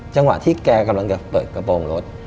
จังหวะที่แกกำลังจะเปิดกระโปรงรถ